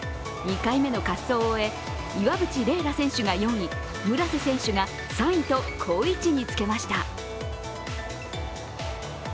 ２回目の滑走を終え、岩渕麗楽選手が４位、村瀬選手が３位と好位置につけました。